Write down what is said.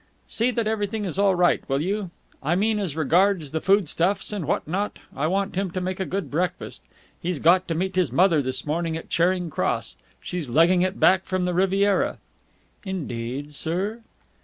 "See that everything is all right, will you? I mean as regards the food stuffs and what not. I want him to make a good breakfast. He's got to meet his mother this morning at Charing Cross. She's legging it back from the Riviera." "Indeed, sir?"